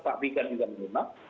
pak vikan juga menyimak